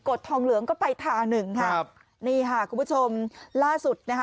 ดทองเหลืองก็ไปทางหนึ่งค่ะครับนี่ค่ะคุณผู้ชมล่าสุดนะคะ